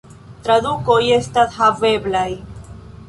Tradukoj estas haveblaj.